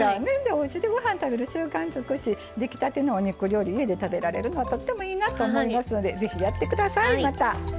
おうちでご飯食べる習慣つくしできたてのお肉料理家で食べられるのはとってもいいなと思いますのでぜひやって下さいまた。